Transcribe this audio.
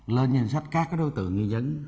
lên nhìn sách các đối tượng nghi dấn